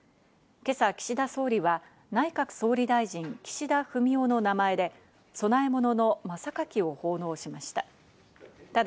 今朝、岸田総理は「内閣総理大臣・岸田文雄」の名前で、供物の真榊を奉納しました。